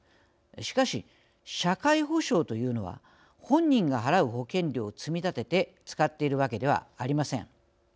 しかし、社会保障というのは本人が払う保険料を積み立てて使っているわけではありません。